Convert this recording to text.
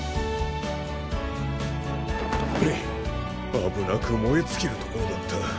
あぶなくもえつきるところだった。